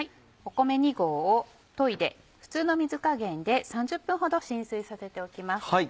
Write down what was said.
米２合をといで普通の水加減で３０分ほど浸水させておきます。